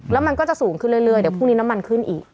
แล้วมันก็จะสูงขึ้นเรื่อยเดี๋ยวพรุ่งนี้น้ำมันขึ้นอีก